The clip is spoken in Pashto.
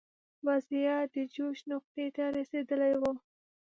وضعیت د جوش نقطې ته رسېدلی و.